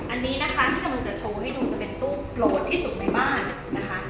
อันนี้นะคะที่กำลังจะโชว์ให้ดูจะเป็นตู้โปรดที่สุดในบ้านนะคะ